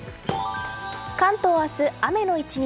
関東は明日、雨の１日。